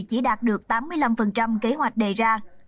chỉ đạt được tám mươi năm kế hoạch đề ra